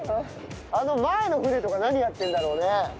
あの前の船とか何やってるんだろうね？